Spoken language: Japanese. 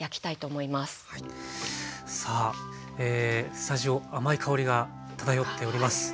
スタジオ甘い香りが漂っております。